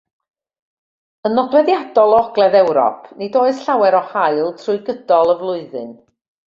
Yn nodweddiadol o Ogledd Ewrop, nid oes llawer o haul trwy gydol y flwyddyn.